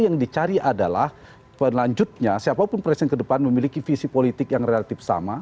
yang dicari adalah penelanjutnya siapapun presiden kedepan memiliki visi politik yang relatif sama